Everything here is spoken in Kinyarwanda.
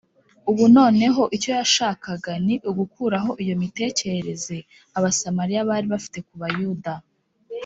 . Ubu noneho icyo yashakaga ni ugukuraho iyo mitekerereze Abasamariya bari bafite ku Bayuda